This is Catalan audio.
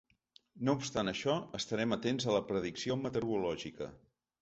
No obstant això, estarem atents a la predicció meteorològica.